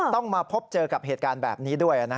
ต้องมาพบเจอกับเหตุการณ์แบบนี้ด้วย